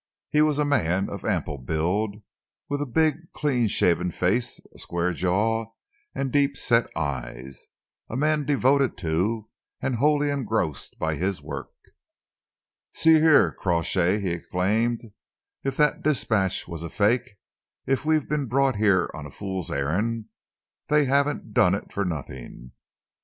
He was a man of ample build, with a big, clean shaven face, a square jaw and deep set eyes, a man devoted to and wholly engrossed by his work. "See here, Crawshay," he exclaimed, "if that dispatch was a fake, if we've been brought here on a fool's errand, they haven't done it for nothing.